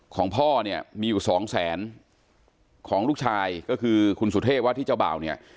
ของพ่อเนี่ยมีอยู่สองแสนของลูกชายก็คือคุณสุเทพว่าที่เจ้าบ่าวเนี่ย